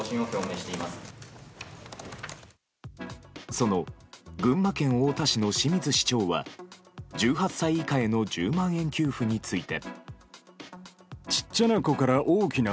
その群馬県太田市の清水市長は１８歳以下への１０万円給付について。